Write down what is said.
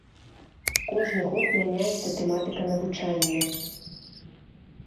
Кожны год мяняецца тэматыка навучання.